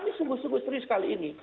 kami sungguh sungguh serius kali ini